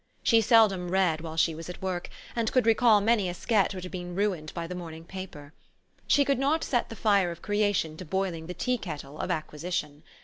She seldom read while she was at work, and could recall many a sketch which had been ruined by the morning paper. She could not set the fire of creation to boiling the tea kettle of acquisition.